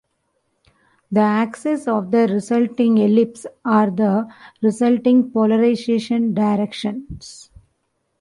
The axes of the resulting ellipse are the resulting polarization directions.